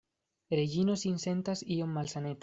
Reĝino sin sentas iom malsaneta.